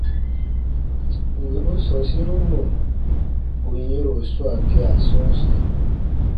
Wì u sɔ̃ɔsiru mɔ̀ ù yɛ̃ro swaa gea sɔ̃ɔsi.